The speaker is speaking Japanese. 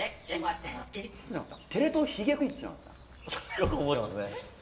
よく覚えてますね。